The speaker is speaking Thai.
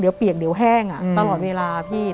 เดี๋ยวเปียกเดี๋ยวแห้งตลอดเวลาพี่